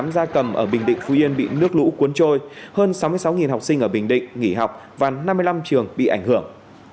hai tám trăm năm mươi tám gia cầm ở bình định phú yên bị nước lũ cuốn trôi hơn sáu mươi sáu học sinh ở bình định nghỉ học và năm mươi năm trường bị ảnh hưởng